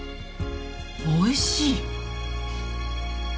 おいしい！